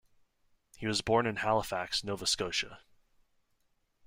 He was born in Halifax, Nova Scotia.